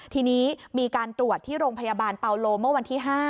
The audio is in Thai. ทีนี้มีการตรวจที่โรงพยาบาลเปาโลเมื่อวันที่๕